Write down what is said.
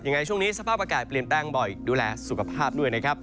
ยังไงช่วงนี้สภาพอากาศเปลี่ยนแปลงบ่อยดูแลสุขภาพด้วยนะครับ